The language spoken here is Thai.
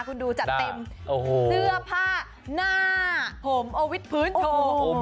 คุณดูจัดเต็มเสื้อผ้าหน้าผมเอาวิทย์พื้นโชว์